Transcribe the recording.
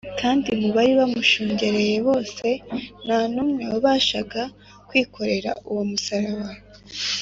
kandi mu bari bamushungereye bose, nta n’umwe wemeraga kwikorera uwo musaraba